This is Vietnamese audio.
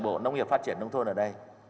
bộ nông nghiệp phát triển nông thôn ở đây